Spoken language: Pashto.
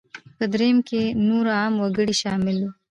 په درېیم کې نور عام وګړي شامل وو.